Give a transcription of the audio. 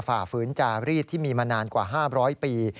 ฝ่าฝืนจารีดที่มีมานานกว่า๕๐๐ปี